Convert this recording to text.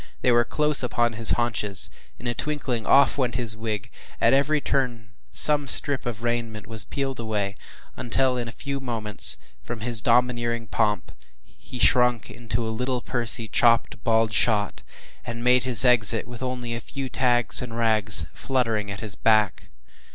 They were close upon his haunches; in a twinkling off went his wig; at every turn some strip of raiment was peeled away, until in a few moments, from his domineering pomp, he shrunk into a little, pursy, “chopp’d bald shot,” and made his exit with only a few tags and rags fluttering at his back.